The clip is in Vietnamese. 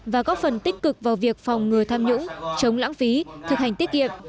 và góp phần tích cực vào việc phòng ngừa tham nhũng chống lãng phí thực hành tiết kiệm